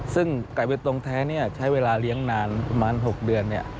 ซึ่งไก่เบตงแท้ใช้เวลาเลี้ยงนานประมาณ๖เดือน